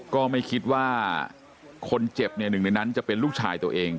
ก็ไม่คิดว่าคนเจ็บเนี่ยหนึ่งในนั้นจะเป็นลูกชายตัวเอง